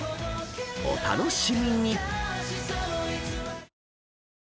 ［お楽しみに］